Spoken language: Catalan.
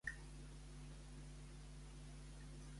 Qui és Jan Peumans?